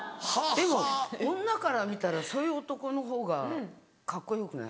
でも女から見たらそういう男のほうがカッコよくない？